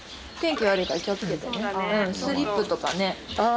スリップとかね。